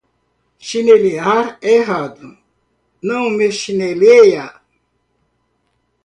Chinelear é errado, não me chineleia!